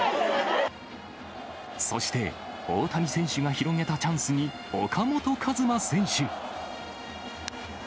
そして、大谷選手が広げたチャンスに、岡本和真選手。